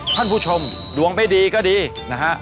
ท่านผู้ชมดวงไม่ดีก็ดีนะฮะ